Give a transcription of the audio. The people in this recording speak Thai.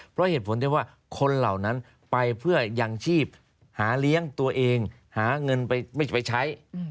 เพราะเหตุผลที่ว่าคนเหล่านั้นไปเพื่อยังชีพหาเลี้ยงตัวเองหาเงินไปไม่ใช่ไปใช้